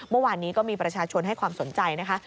เมื่อวานนี้ก็มีประชาชนให้ความสนใจนะคะ